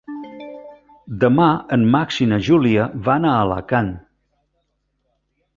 Demà en Max i na Júlia van a Alacant.